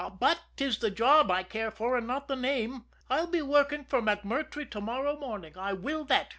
But 'tis the job I care for and not the name. I'll be working for MacMurtrey to morrow morning I will that!